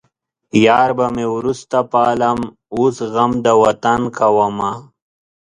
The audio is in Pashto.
يار به مې وروسته پالم اوس غم د وطن کومه